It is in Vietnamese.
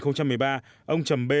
ông trầm bê dính vào bncb